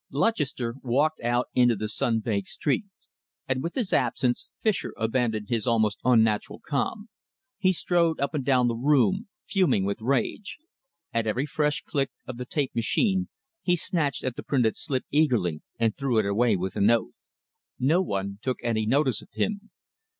Lutchester walked out into the sun baked streets, and with his absence Fischer abandoned his almost unnatural calm. He strode up and down the room, fuming with rage. At every fresh click of the tape machine, he snatched at the printed slip eagerly and threw it away with an oath. No one took any notice of him.